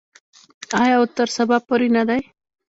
آیا او تر سبا پورې نه دی؟